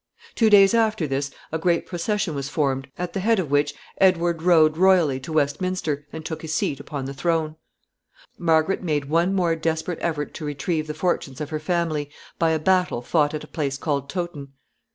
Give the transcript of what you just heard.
Two days after this a great procession was formed, at the head of which Edward rode royally to Westminster and took his seat upon the throne. [Sidenote: Battle of Towton.] Margaret made one more desperate effort to retrieve the fortunes of her family by a battle fought at a place called Towton.